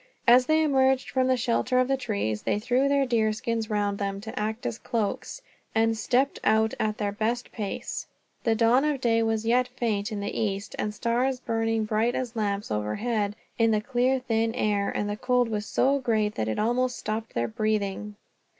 As they emerged from the shelter of the trees they threw their deer skins round them, to act as cloaks, and stepped out at their best pace. The dawn of day was yet faint in the east; the stars burning bright as lamps overhead, in the clear thin air; and the cold was so great that it almost stopped their breathing.